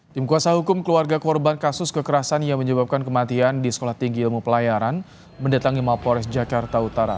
tim kuasa hukum keluarga korban kasus kekerasan yang menyebabkan kematian di sekolah tinggi ilmu pelayaran mendatangi mapolres jakarta utara